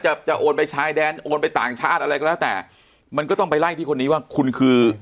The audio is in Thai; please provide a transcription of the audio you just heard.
จะจะโอนไปชายแดนโอนไปต่างชาติอะไรก็แล้วแต่มันก็ต้องไปไล่ที่คนนี้ว่าคุณคือ